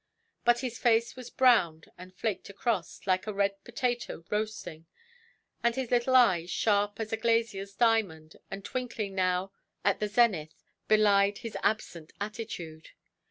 But his face was browned, and flaked across, like a red potato roasting, and his little eyes, sharp as a glazierʼs diamond, and twinkling now at the zenith, belied his absent attitude.